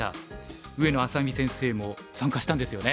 上野愛咲美先生も参加したんですよね？